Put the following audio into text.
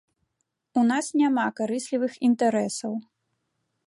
У нас няма карыслівых інтарэсаў.